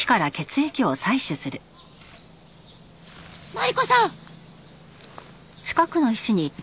マリコさん！